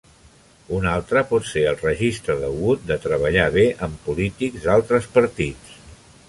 Un altre pot ser el registre de Wood de treballar bé amb polítics d'altres partits.